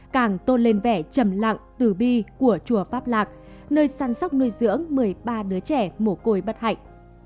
càng tôn lên vẻ trầm lặng tử bi của chùa pháp lạc nơi săn sóc nuôi dưỡng một mươi ba đứa trẻ mổ côi bất hạnh